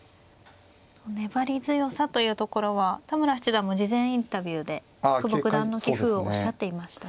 粘り強さというところは田村七段も事前インタビューで久保九段の棋風をおっしゃっていましたね。